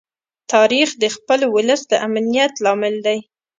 تاریخ د خپل ولس د امنیت لامل دی.